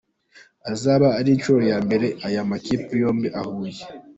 Azaba ari inshuro ya mbere aya makipe yombi ahuye.